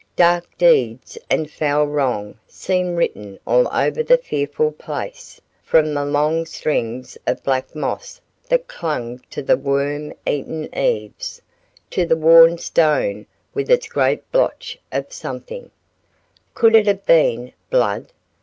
Dark deeds and foul wrong seemed written all over the fearful place, from the long strings of black moss that clung to the worm eaten eaves, to the worn stone with its great blotch of something, could it have been blood?